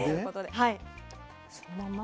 そのまま？